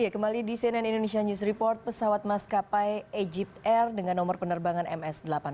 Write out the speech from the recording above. kembali di cnn indonesia news report pesawat maskapai egypt air dengan nomor penerbangan ms delapan puluh delapan